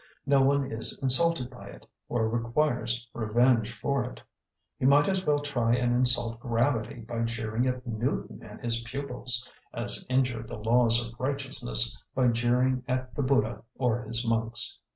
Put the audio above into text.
No one is insulted by it, or requires revenge for it. You might as well try and insult gravity by jeering at Newton and his pupils, as injure the laws of righteousness by jeering at the Buddha or his monks.